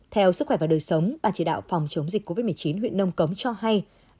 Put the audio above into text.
theo sức khỏe và đời sống bà chỉ đạo phòng chống dịch covid một mươi chín huyện nông cống cho hay